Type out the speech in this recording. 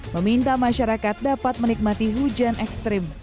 meminta masyarakat dapat menikmati hujan ekstrim